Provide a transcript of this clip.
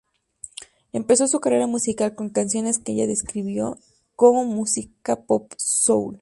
Empezó su carrera musical con canciones que ella describió como "música pop soul".